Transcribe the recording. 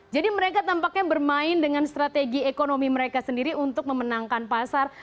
jadi mereka tampaknya bermain dengan strategi ekonomi mereka sendiri untuk memenangkan pasar